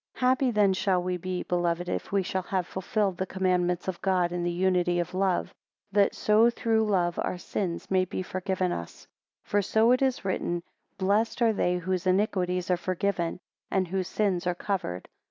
13 Happy then shall we be, beloved, if we shall have fulfilled the commandments of God, in the unity of love; that so, through love, our sins may be forgiven us. 14 For so it is written, Blessed are they whose iniquities are forgiven, and whose sins are covered.